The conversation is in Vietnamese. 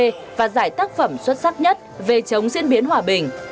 đây là một trong những tác phẩm xuất sắc nhất về chống diễn biến hòa bình